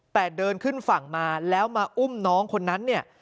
แต่เดินขึ้นฝั่งมาแล้วมาอุ้มน้องคนนั้นเนี่ย